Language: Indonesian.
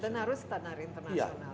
dan harus standar internasional